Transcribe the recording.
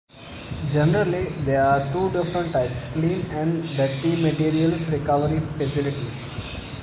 Generally, there are two different types: clean and dirty materials recovery facilities.